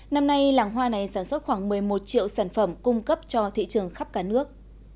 năm nay làng hoa này sản xuất khoảng một mươi một triệu sản phẩm cung cấp cho thị trường khắp cả nước